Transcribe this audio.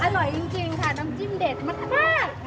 อร่อยจริงค่ะน้ำจิ้มเด็ดมาก